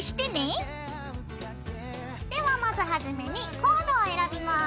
ではまずはじめにコードを選びます。